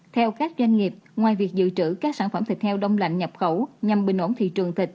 theo các doanh nghiệp ngoài việc dự trữ các sản phẩm thịt heo đông lạnh nhập khẩu nhằm bình ổn thị trường thịt